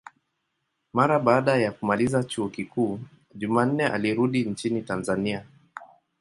Mara baada ya kumaliza chuo kikuu, Jumanne alirudi nchini Tanzania.